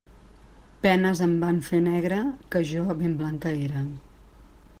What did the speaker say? Penes em van fer negra, que jo ben blanca era.